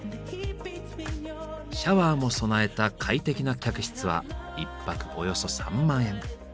シャワーも備えた快適な客室は１泊およそ３万円。